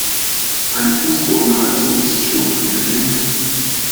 Eine Fußbodenheizung ist schon angenehm.